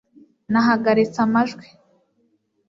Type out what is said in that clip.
nahagaritse amajwi